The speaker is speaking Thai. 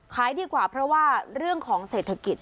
ขายดีกว่าเพราะว่าเรื่องของเศรษฐกิจ